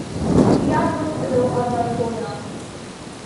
The artworks below are by Goya.